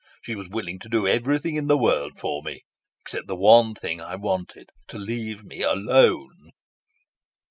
She was willing to do everything in the world for me except the one thing I wanted: to leave me alone."